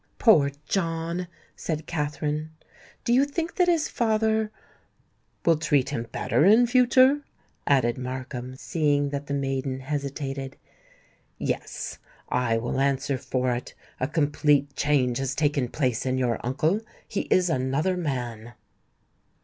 "Poor John!" said Katherine. "Do you think that his father——" "Will treat him better in future?" added Markham, seeing that the maiden hesitated. "Yes: I will answer for it! A complete change has taken place in your uncle: he is another man."